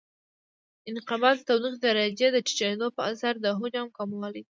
انقباض د تودوخې درجې د ټیټېدو په اثر د حجم کموالی دی.